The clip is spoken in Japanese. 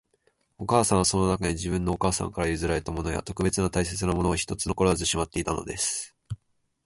お母さんは、その中に、自分のお母さんから譲られたものや、特別大切なものを一つ残らずしまっていたのです